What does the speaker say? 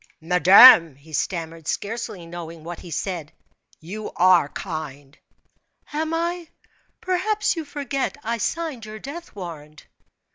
"Madame," he stammered, scarcely knowing what he said, "you are kind." "Am I? Perhaps you forget I signed your death warrant."